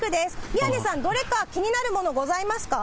宮根さん、どれか気になるものございますか？